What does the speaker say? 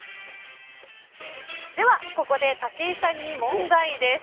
ではここで武井さんに問題です。